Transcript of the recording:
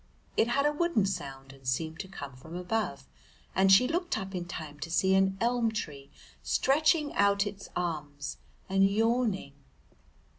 It had a wooden sound and seemed to come from above, and she looked up in time to see an elm tree stretching out its arms and yawning.